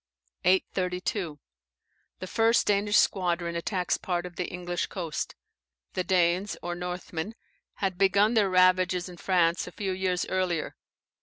832. The first Danish squadron attacks part of the English coast. The Danes, or Northmen, had begun their ravages in France a few years earlier.